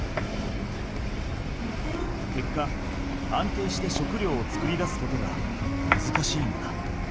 けっか安定して食料を作り出すことがむずかしいのだ。